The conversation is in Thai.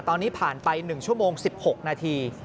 ตอนนี้ผ่านไป๑ชั่วโมง๑๖นาที